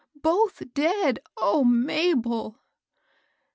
— both dead! O Mabel!